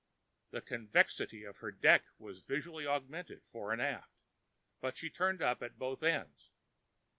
The convexity of her deck was visibly augmented fore and aft, but she turned up at both ends.